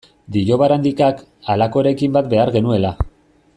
Dio Barandikak, halako eraikin bat behar genuela.